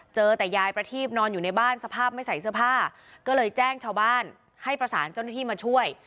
เจอแต่ยายประทีบนอนอยู่ในบ้านสภาพไม่ใส่เสื้อผ้าก็เลยแจ้งชาวบ้านให้ประสานเจ้าหน้าที่มาช่วย